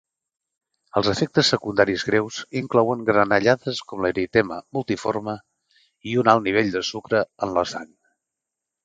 Els efectes secundaris greus inclouen granellades com l'eritema multiforme i un alt nivell de sucre en la sang.